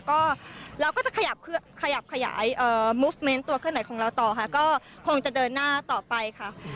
ก็เราก็จะขยับขยับขยายมุฟเมนต์ตัวเครื่องไหนของเราต่อค่ะก็คงจะเดินหน้าต่อไปค่ะ